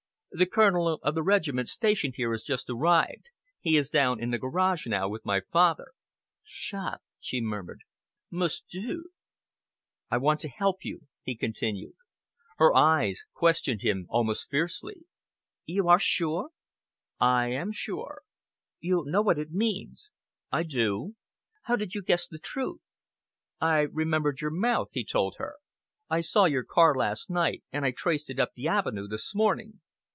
"The Colonel of the regiment stationed here has just arrived. He is down in the garage now with my father." "Shot!" she murmured. "Most Dieu!" "I want to help you," he continued. Her eyes questioned him almost fiercely. "You are sure?" "I am sure." "You know what it means?" "I do." "How did you guess the truth?" "I remembered your mouth," he told her. "I saw your car last night, and I traced it up the avenue this morning."